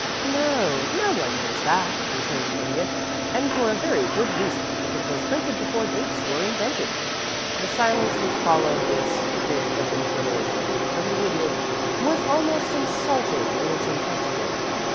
"No; no one knows that," returned the Idiot. "And for a very good reason. It was printed before dates were invented." The silence which followed this bit of information from the Idiot was almost insulting in its intensity.